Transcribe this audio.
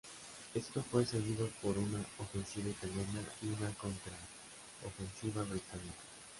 Esto fue seguido por una ofensiva italiana y una contraofensiva británica.